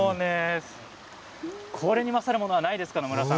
これに勝るものはないですね。